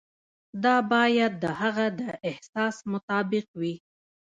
دا باید د هغه د احساس مطابق وي.